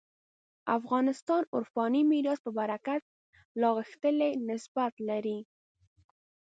افغانستان عرفاني میراث په برکت لا غښتلی نسبت لري.